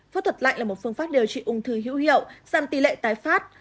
phẫu thuật lạnh là một phương pháp điều trị ung thư hữu hiệu giảm tỷ lệ tái phát